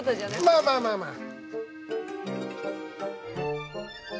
まあまあまあまあ！